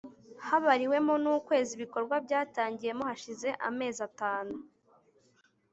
habariwemo nukwezi ibikorwa byatangiyemo hashize amezi atanu